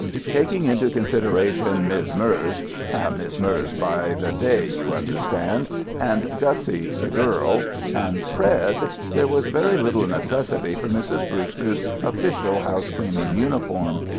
Taking into consideration Miz' Merz (Mis' Merz by the day, you understand) and Gussie, the girl, and Fred, there was very little necessity for Mrs. Brewster's official house cleaning uniform.